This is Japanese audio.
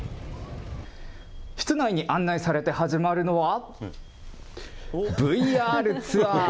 室内に案内されて始まるのは、ＶＲツアー。